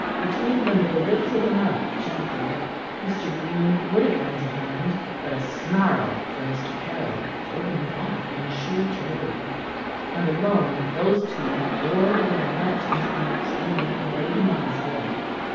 Between them they lifted him up gently. Mr. Green would have lent a hand, but a snarl from Mr. Caryll drove him back in sheer terror, and alone those two bore the baronet into the next room and laid him on his bed.